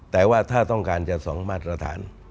แต่ว่าถ้าต้องการจะ๒มาตรฐาน